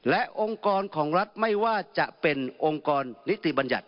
และองค์กรของรัฐไม่ว่าจะเป็นองค์กรนิติบัญญัติ